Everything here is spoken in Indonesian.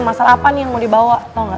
masalah apa nih yang mau dibawa tau gak